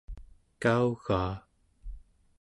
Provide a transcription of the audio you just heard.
kaugaa